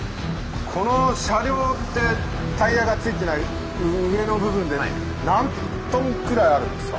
この車両ってタイヤが付いてない上の部分で何トンくらいあるんですか？